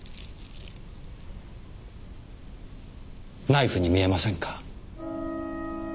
ナイフに見えませんか？